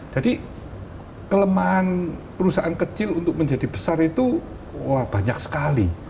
jadi kelemahan perusahaan kecil untuk menjadi besar itu wah banyak sekali